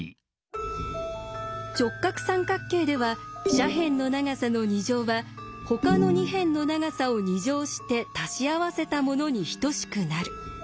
直角三角形では「斜辺の長さの２乗」は「ほかの２辺の長さを２乗して足し合わせたもの」に等しくなる。